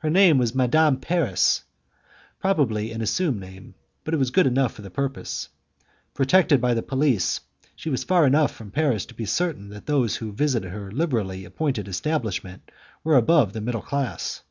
Her name was Madame Paris; probably an assumed name, but it was good enough for the purpose. Protected by the police, she was far enough from Paris to be certain that those who visited her liberally appointed establishment were above the middle class.